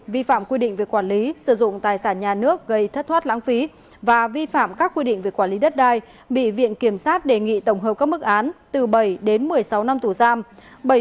vi phạm quy định về quản lý sử dụng tài sản nhà nước gây thất thoát lãng phí và vi phạm các quy định về quản lý đất đai bị viện kiểm sát đề nghị tổng hợp các mức án từ bảy đến một mươi sáu năm tù giam